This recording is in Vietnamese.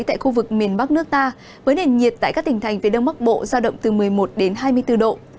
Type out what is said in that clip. tại khu vực miền bắc nước ta với nền nhiệt tại các tỉnh thành phía đông bắc bộ giao động từ một mươi một đến hai mươi bốn độ